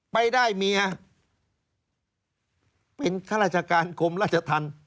ไปได้เมียเป็นข้าราชการกรมราชธรรม